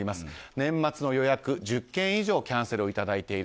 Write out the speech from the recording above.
年末の予約、１０件以上キャンセルをいただいている。